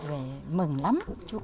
về mừng lắm